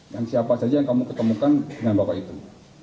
siapa saja yang kamu ketemukan dengan bapak itu